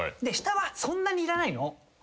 下はそんなにいらないの。